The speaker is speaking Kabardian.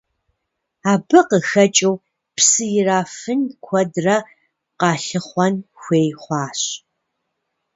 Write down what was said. Абы къыхэкӏыу псы ирафын куэдрэ къалъыхъуэн хуей хъуащ.